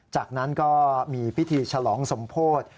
จากนั้นก็มีพิธีฉลองสมโพธิ